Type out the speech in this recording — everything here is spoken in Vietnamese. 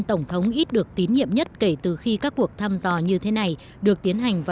tổng thống ít được tín nhiệm nhất kể từ khi các cuộc tham dò như thế này được tiến hành vào năm một nghìn chín trăm bốn mươi